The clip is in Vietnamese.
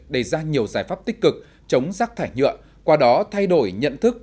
đề ra nhiều giải pháp tích cực chống rác thải nhựa qua đó thay đổi nhận thức